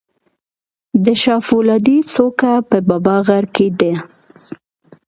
د شاه فولادي څوکه په بابا غر کې ده